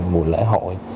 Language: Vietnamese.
mùa lễ hội